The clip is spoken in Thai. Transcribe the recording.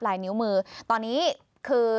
ลายนิ้วมือตอนนี้คือ